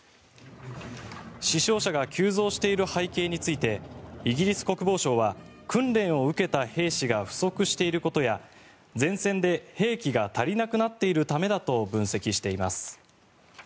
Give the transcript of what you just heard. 死傷者が急増している背景についてイギリス国防省は訓練を受けた兵士が不足していることや前線で兵器が足りなくなっているためだと分析しています。